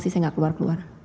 saya masih tidak keluar keluar